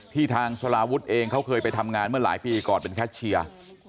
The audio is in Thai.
ทางสลาวุฒิเองเขาเคยไปทำงานเมื่อหลายปีก่อนเป็นแคชเชียร์